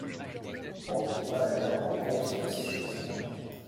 On ne peut pas aller à l'encontre de ces choses-là.